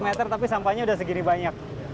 sepuluh lima belas meter tapi sampahnya udah segini banyak